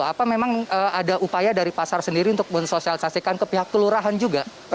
apa memang ada upaya dari pasar sendiri untuk mensosialisasikan ke pihak kelurahan juga